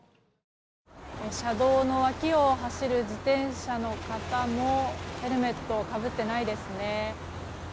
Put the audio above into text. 車道の脇を走る自転車の方もヘルメットをかぶっていないですね。